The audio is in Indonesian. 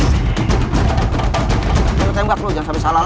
gua penolong gak ada disini